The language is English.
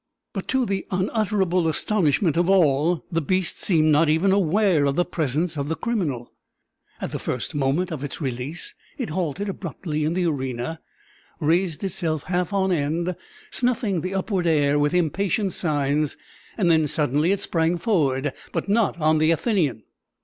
But to the unutterable astonishment of all, the beast seemed not even aware of the presence of the criminal. At the first moment of its release it halted abruptly in the arena, raised itself half on end, snuffing the upward air with impatient signs, then suddenly it sprang forward, but not on the Athenian.